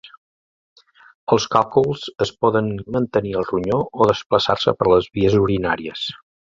Els càlculs es poden mantenir al ronyó o desplaçar-se per les vies urinàries.